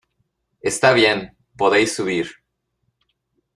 Está bien, podéis subir.